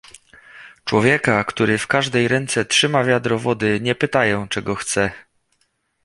"Człowieka, który w każdej ręce trzyma wiadro wody, nie pytają, czego chce."